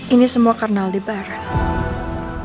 ini semua karena aldi baran